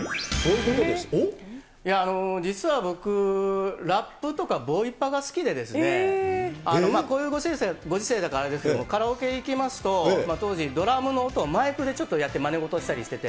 実は僕、ラップとかボイパが好きでですね、こういうご時世だからあれですけど、カラオケ行きますと、当時、ドラムの音、マイクでちょっとやって、まねごとしてて。